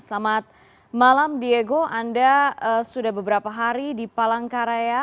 selamat malam diego anda sudah beberapa hari di palangkaraya